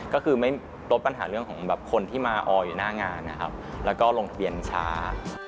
ก็คือไม่ลดปัญหาเรื่องของแบบคนที่มาอออยู่หน้างานนะครับแล้วก็ลงทะเบียนช้า